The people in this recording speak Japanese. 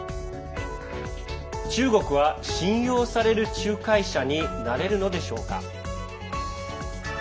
中国は信用される仲介者になれるのでしょうか。